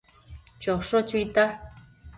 Chosho chuita